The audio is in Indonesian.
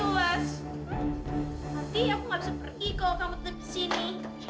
oh yuk menjadi primaiti fellas